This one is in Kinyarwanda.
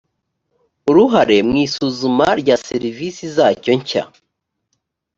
uruhare mu isuzuma rya serivisi zacyo nshya